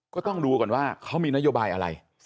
ก็ต้องดูก่อนว่าเขามีนโยบายอะไร